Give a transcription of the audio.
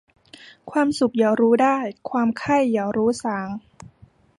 ความสุขอย่ารู้ได้ ความไข้อย่ารู้สร่าง